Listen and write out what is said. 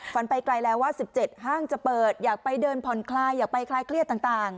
ไปไกลแล้วว่า๑๗ห้างจะเปิดอยากไปเดินผ่อนคลายอยากไปคลายเครียดต่าง